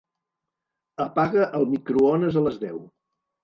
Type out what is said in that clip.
Apaga el microones a les deu.